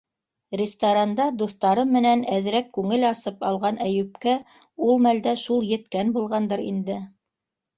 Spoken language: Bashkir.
Ресторанда дуҫтары менән әҙерәк күңел асып алған Әйүпкә ул мәлдә шул еткән булғандыр инде...